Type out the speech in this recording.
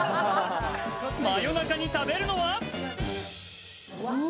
夜中に食べるのは。